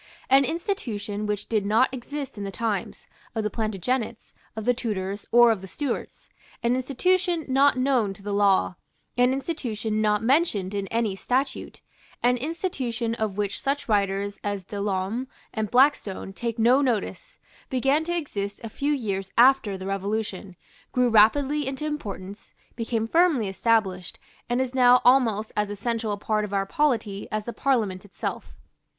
An institution which did not exist in the times, of the Plantagenets, of the Tudors or of the Stuarts, an institution not known to the law, an institution not mentioned in any statute, an institution of which such writers as De Lolme and Blackstone take no notice, began to exist a few years after the Revolution, grew rapidly into importance, became firmly established, and is now almost as essential a part of our polity as the Parliament itself.